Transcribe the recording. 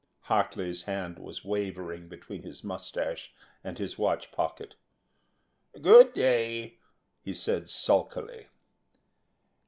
Hartly's hand was wavering between his moustache and his watch pocket. "Good day," he said sulkily.